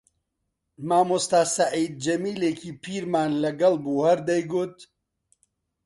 مامۆستا سەعید جەمیلێکی پیرمان لەگەڵ بوو هەر دەیگوت: